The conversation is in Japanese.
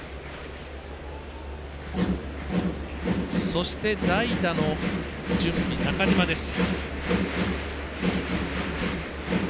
そして、代打の準備、中島です。